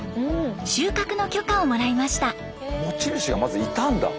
収穫の許可をもらいました。